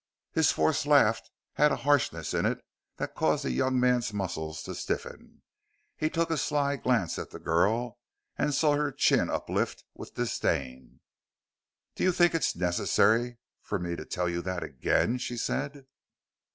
His forced laugh had a harshness in it that caused the young man's muscles to stiffen. He took a sly glance at the girl and saw her chin uplift with disdain. "Do you think it necessary for me to tell you that again?" she said.